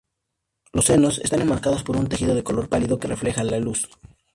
Los senos están enmarcados por un tejido de color pálido, que refleja la luz.